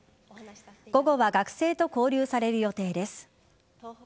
午後は学生と交流される予定です。